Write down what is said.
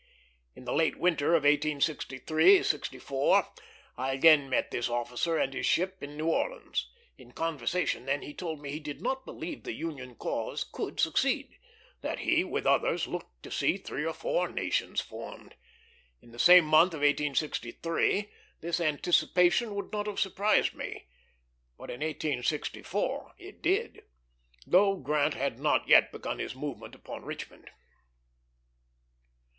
In the late winter of 1863 64 I again met this officer and his ship in New Orleans. In conversation then he told me he did not believe the Union cause could succeed; that he, with others, looked to see three or four nations formed. In the same month of 1863 this anticipation would not have surprised me; but in 1864 it did, although Grant had not yet begun his movement upon Richmond.